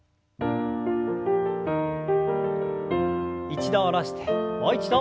一度下ろしてもう一度。